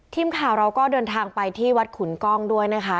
ทีมข่าวเราก็เดินทางไปที่วัดขุนกล้องด้วยนะคะ